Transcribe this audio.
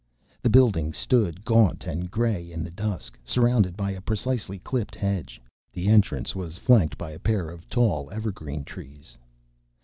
The building stood gaunt and gray in the dusk, surrounded by a precisely clipped hedge. The entrance was flanked by a pair of tall evergreen trees.